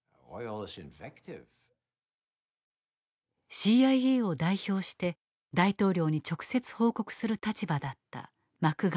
ＣＩＡを代表して大統領に直接報告する立場だったマクガバン。